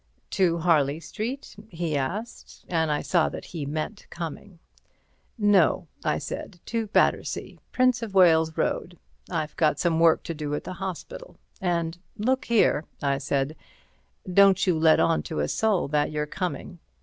"To Harley Street?" he asked, and I saw that he meant coming. "No," I said, "to Battersea—Prince of Wales Road; I've got some work to do at the hospital. And look here," I said, "don't you let on to a soul that you're coming.